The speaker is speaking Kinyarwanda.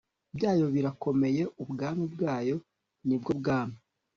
byayo birakomeye Ubwami bwayo ni bwo bwami